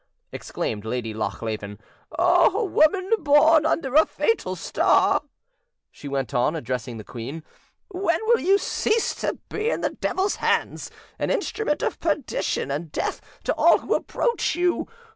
exclaimed Lady Lochleven. "O woman born under a fatal star," she went on, addressing the queen, "when will you cease to be, in the Devil's hands, an instrument of perdition and death to all who approach you?